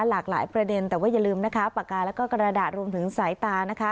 หลากหลายประเด็นแต่ว่าอย่าลืมนะคะปากกาแล้วก็กระดาษรวมถึงสายตานะคะ